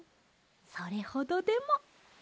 それほどでも。